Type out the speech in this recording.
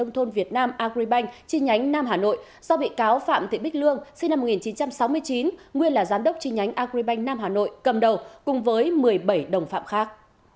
tòa phạm thị bích lương sinh năm một nghìn chín trăm sáu mươi chín nguyên là giám đốc chi nhánh agribank nam hà nội cầm đầu cùng với một mươi bảy đồng phạm khác